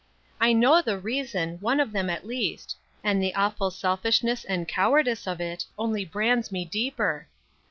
"I know the reason, one of them at least; and the awful selfishness and cowardice of it only brands me deeper.